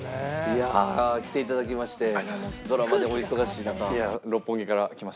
いやあ来ていただきましてドラマでお忙しい中。